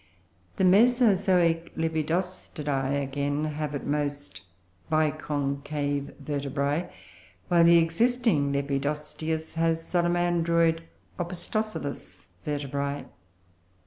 The Mesozoic Lepidosteidae, again, have, at most, biconcave vertebrae, while the existing Lepidosteus has Salamandroid, opisthocoelous, vertebrae.